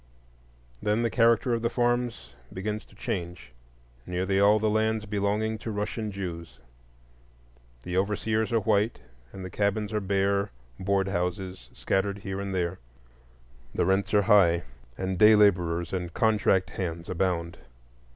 Then the character of the farms begins to change. Nearly all the lands belong to Russian Jews; the overseers are white, and the cabins are bare board houses scattered here and there. The rents are high, and day laborers and "contract" hands abound.